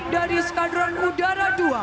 dari skadron udara dua